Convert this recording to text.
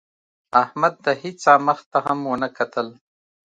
احمد د هېڅا مخ ته هم ونه کتل.